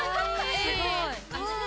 すごい！